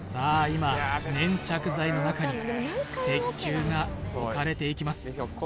今粘着剤の中に鉄球が置かれていきます